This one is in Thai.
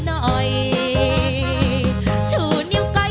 ไม่ใช้